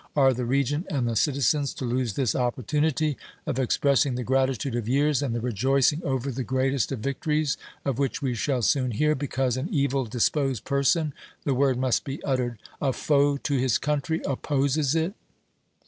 Are the Regent and the citizens to lose this opportunity of expressing the gratitude of years, and the rejoicing over the greatest of victories, of which we shall soon hear, because an evil disposed person the word must be uttered a foe to his country, opposes it?"